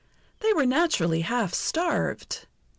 They were naturally half starved.